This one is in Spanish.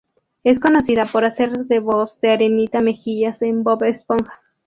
Es conocida por hacer de voz de Arenita Mejillas en "Bob Esponja".